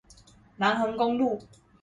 南橫公路